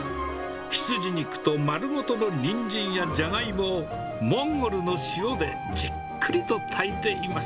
羊肉と丸ごとのニンジンやジャガイモを、モンゴルの塩でじっくりと炊いています。